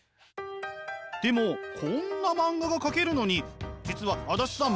でもこんな漫画が描けるのに実は足立さん